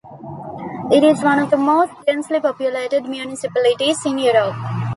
It is one of the most densely populated municipalities in Europe.